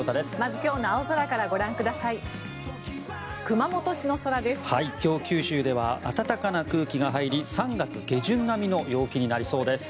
今日、九州では暖かな空気が入り３月下旬並みの陽気になりそうです。